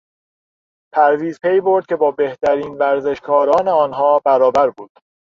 پرویز پی برد که با بهترین ورزشکاران آنها برابر بود.